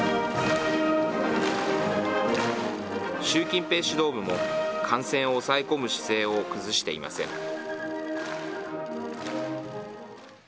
習近平指導部も、感染を抑え込む姿勢を崩していません。